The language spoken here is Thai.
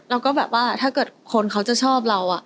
เราก็แบบว่าถ้าเกิดคนเขาจะชอบเรา